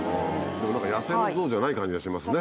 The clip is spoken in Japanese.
でも何か野生のゾウじゃない感じがしますね